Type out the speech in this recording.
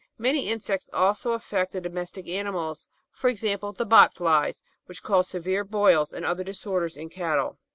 Many insects also affect the domestic animals, for example the "bot flies" which cause severe boils and other disorders in cattle.